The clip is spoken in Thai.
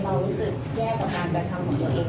เรารู้สึกแย่กับการกระทำของตัวเอง